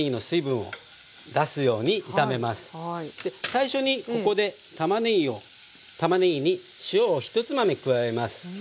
最初にここでたまねぎに塩を１つまみ加えます。